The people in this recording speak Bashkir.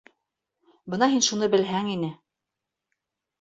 Бына һин шуны белһәң ине.